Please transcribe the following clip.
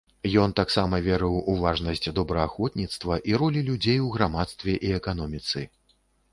Ён таксама верыў у важнасць добраахвотніцтва і ролі людзей у грамадстве і эканоміцы.